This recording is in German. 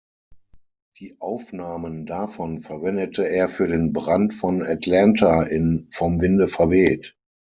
Die Aufnahmen davon verwendete er für den Brand von Atlanta in "Vom Winde verweht".